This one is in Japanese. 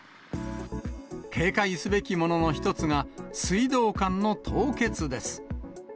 警戒すべきものの一つが、水道管の凍結です。